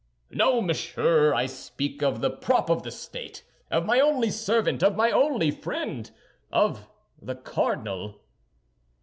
"No, monsieur; I speak of the prop of the state, of my only servant, of my only friend—of the cardinal."